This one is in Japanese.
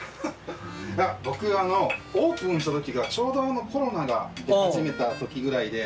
僕オープンしたときがちょうどコロナが出始めたときぐらいで。